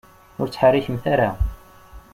Ur ttḥerrikemt ara!